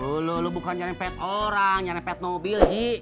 ulu lu bukan ngerempet orang ngerempet mobil ji